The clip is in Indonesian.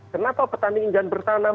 kenapa petani enggan bertanam